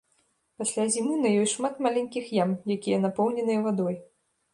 Пасля зімы на ёй шмат маленькіх ям, якія напоўненыя вадой.